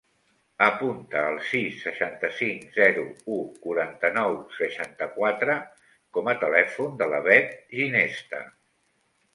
Apunta el sis, seixanta-cinc, zero, u, quaranta-nou, seixanta-quatre com a telèfon de la Beth Ginesta.